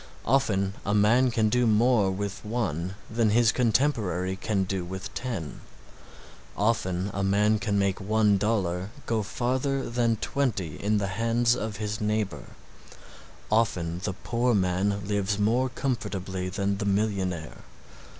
Often a man can do more with one than his contemporary can do with ten, often a man can make one dollar go farther than twenty in the hands of his neighbor, often the poor man lives more comfortably than the millionaire.